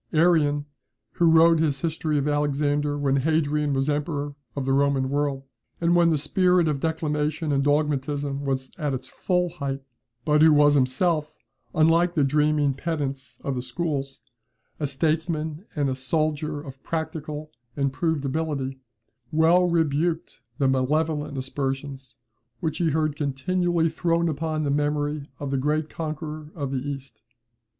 Arrian, who wrote his history of Alexander when Hadrian was emperor of the Roman world, and when the spirit of declamation and dogmatism was at its full height, but who was himself, unlike the dreaming pedants of the schools, a statesman and a soldier of practical and proved ability, well rebuked the malevolent aspersions which he heard continually thrown upon the memory of the great conqueror of the East.